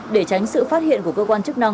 để tránh sự phát hiện của cơ quan chức năng